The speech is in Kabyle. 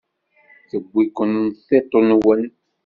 Tewwi-ken tiṭ-nwen.